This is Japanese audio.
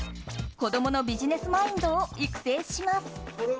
子供のビジネスマインドを育成します。